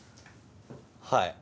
はい。